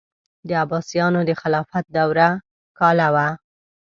د عباسیانو د خلافت دوره کاله وه.